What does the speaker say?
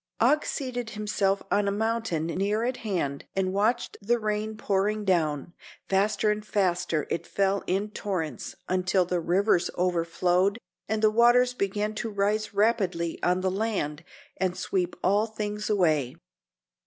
Og seated himself on a mountain near at hand and watched the rain pouring down. Faster and faster it fell in torrents until the rivers overflowed and the waters began to rise rapidly on the land and sweep all things away.